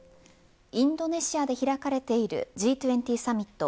インドネシアで開かれているＧ２０サミット